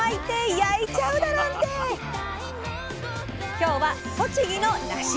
今日は栃木の「なし」。